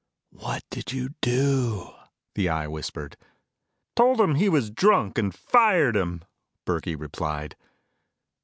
"What did you do?" the Eye whispered. "Told him he was drunk and fired him," Burkey replied.